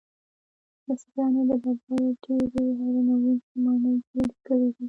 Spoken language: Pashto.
مصریانو د ډبرو ډیرې حیرانوونکې ماڼۍ جوړې کړې دي.